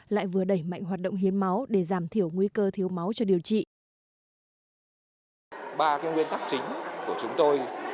lại vừa đẩy mạnh hoạt động hiến máu để giảm thiểu nguy cơ thiếu máu cho điều trị